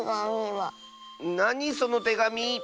なにそのてがみ？